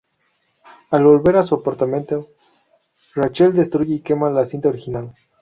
Al volver a su apartamento, Rachel destruye y quema la cinta original.